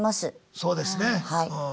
そうですね。